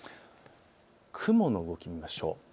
雲の動きを見ましょう。